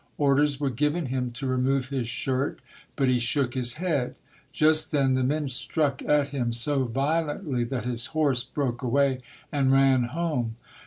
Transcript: Orders were given him to remove his shirt, but he shook his head. Just then the men struck at him so violently that his horse broke away and ran home.